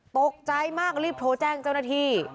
ตกใจมากรีบโทรแจ้งเจ้าหน้าที่